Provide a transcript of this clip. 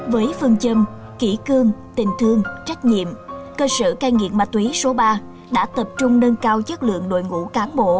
với phương châm kỹ cương tình thương trách nhiệm cơ sở cai nghiện ma túy số ba đã tập trung nâng cao chất lượng đội ngũ cán bộ